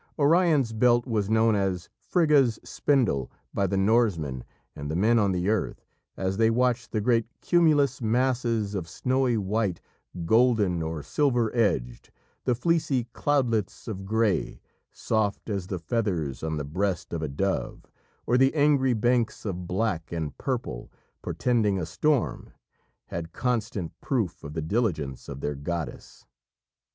Orion's Belt was known as "Frigga's spindle" by the Norsemen, and the men on the earth, as they watched the great cumulous masses of snowy white, golden or silver edged, the fleecy cloudlets of grey, soft as the feathers on the breast of a dove, or the angry banks of black and purple, portending a storm, had constant proof of the diligence of their goddess.